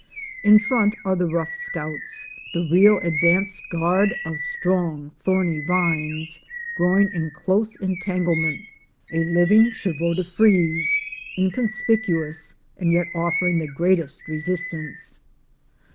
In front are the rough scouts, the real advance guard of strong, thorny vines growing in close entanglement — a living chevaux de frise, inconspicuous and yet offering the greatest resistance.